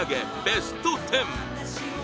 ベスト１０